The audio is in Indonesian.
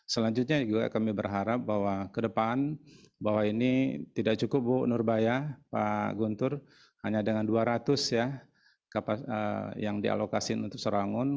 selanjutnya juga kami berharap bahwa ke depan bahwa ini tidak cukup bu nurbaya pak guntur hanya dengan dua ratus ya yang dialokasi untuk serangun